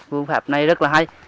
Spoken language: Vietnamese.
phương pháp này rất là hay